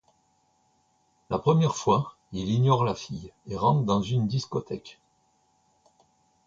La première fois, il ignore la fille et rentre dans une discothèque.